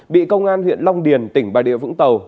bị công an huyện long điền tỉnh bài địa vũng tàu